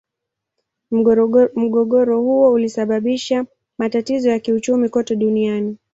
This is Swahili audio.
Mgogoro huo ulisababisha matatizo ya kiuchumi kote duniani.